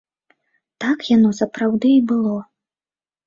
Так яно сапраўды і было.